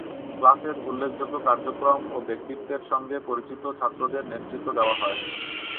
ক্লাসের উল্লেখযোগ্য কার্যক্রম ও ব্যক্তিত্বের সঙ্গে পরিচিত ছাত্রদের নেতৃত্ব দেওয়া হয়।